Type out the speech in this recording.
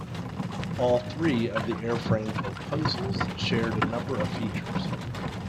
All three of the airframe proposals shared a number of features.